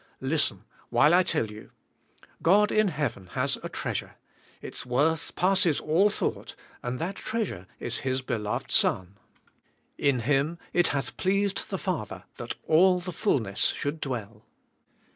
Listen, while I tell you. God in heaven has a treasure. Its worth passes all thought, and that treasure is His beloved Son. In Him it hath pleased the Father that all the fullness should dwell.